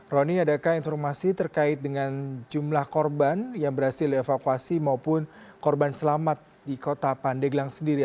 roni adakah informasi terkait dengan jumlah korban yang berhasil dievakuasi maupun korban selamat di kota pandeglang sendiri